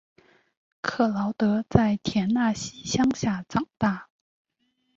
克劳德在田纳西乡下长大。